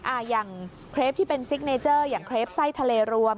อย่างเครปที่เป็นซิกเนเจอร์อย่างเครปไส้ทะเลรวม